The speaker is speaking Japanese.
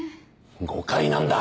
誤解なんだ。